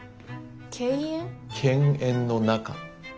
犬猿の仲。